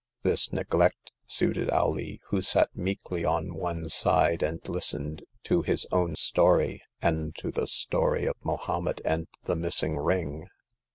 This neglect suited Alee, who sat meekly on one side, and listened to his own story, and to the story of Mohommed and the missing ring.